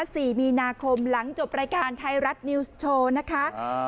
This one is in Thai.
สี่มีนาคมหลังจบรายการไทยรัฐนิวส์โชว์นะคะอ่า